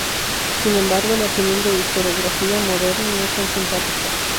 Sin embargo, la opinión de historiografía moderna no es tan simpática.